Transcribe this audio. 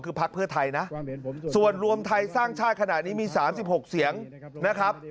คือพักเพื่อไทยนะส่วนรวมไทยสร้างชาติขณะนี้มี๓๖เสียงนะครับ